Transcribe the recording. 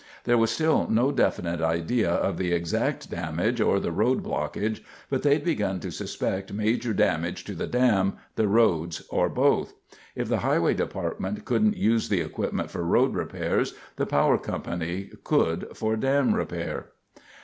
There was still no definite idea of the exact damage or the road blockage, but they'd begun to suspect major damage to the dam, the roads, or both. If the Highway Department couldn't use the equipment for road repairs, the Power Company could for dam repair.